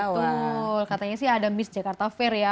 betul katanya sih ada miss jakarta fair ya